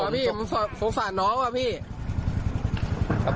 กลับเลยพี่พอพี่มันโทษสานน้องว่ะพี่